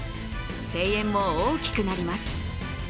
声援も大きくなります。